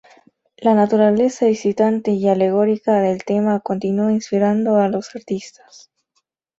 La naturaleza excitante y alegórica del tema continuó inspirando a los artistas.